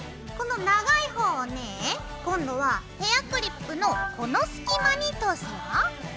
この長いほうをね今度はヘアクリップのこの隙間に通すよ。